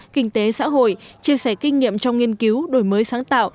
kinh tế xã hội chia sẻ kinh nghiệm trong nghiên cứu đổi mới sáng tạo